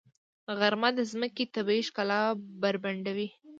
غرمه د ځمکې طبیعي ښکلا بربنډوي.